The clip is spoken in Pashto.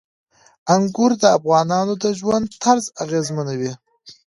انګور د افغانانو د ژوند طرز اغېزمنوي.